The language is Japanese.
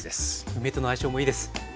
梅との相性もいいです。